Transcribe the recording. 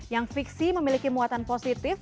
yang fiksi memiliki muatan positif